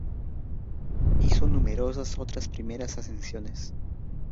Hizo numerosas otras primeras ascensiones.